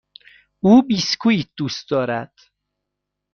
او بیسکوییت دوست دارد.